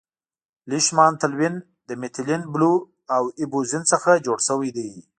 لیشمان تلوین د میتیلین بلو او اییوزین څخه جوړ شوی دی.